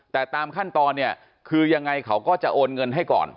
แต่ตามขั้นตอนเนี่ยคือยังไงเขาก็จะโอนเงินให้ก่อน